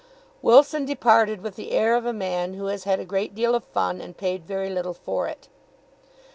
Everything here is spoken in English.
Wilson departed with the air of a man who has had a great deal of fun, and paid very little for it.